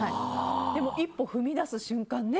でも一歩踏み出す瞬間ね